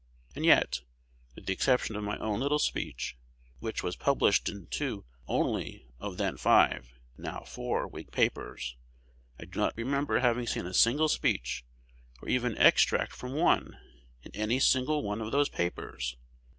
And yet, with the exception of my own little speech, which was published in two only of the then five, now four, Whig papers, I do not remember having seen a single speech, or even extract from one, in any single one of those papers.